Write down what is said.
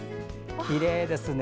きれいですね。